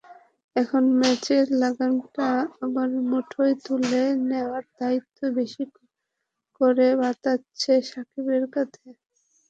এখন ম্যাচের লাগামটা আবার মুঠোয় তুলে নেওয়ার দায়িত্ব বেশি করে বর্তাচ্ছে সাকিবের কাঁধে।